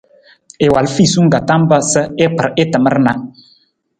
I wal fiisung ka tam pa i kpar i tamar na.